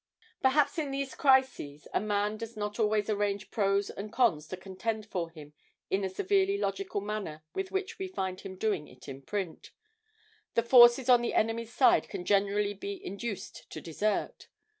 Perhaps in these crises a man does not always arrange pros and cons to contend for him in the severely logical manner with which we find him doing it in print. The forces on the enemy's side can generally be induced to desert.